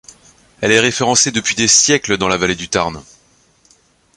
Elle est référencée depuis des siècles dans la vallée du Tarn.